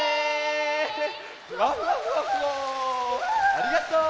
ありがとう！